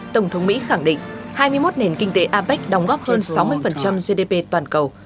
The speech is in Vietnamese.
tổng thống mỹ khẳng định hai mươi một nền kinh tế apec đóng góp hơn sáu mươi gdp toàn cầu